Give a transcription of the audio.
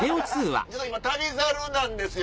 今『旅猿』なんですよ。